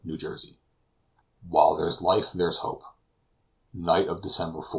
CHAPTER XXV WHILE THERE'S LIFE THERE'S HOPE NIGHT of December 4.